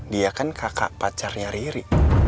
dia kan kakak pacarnya riri